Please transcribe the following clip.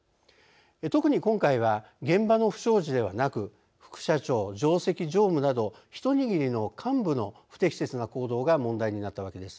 特に今回は現場の不祥事ではなく副社長・上席常務など一握りの幹部の不適切な行動が問題になったわけです。